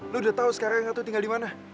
lu udah tau sekarang yang itu tinggal dimana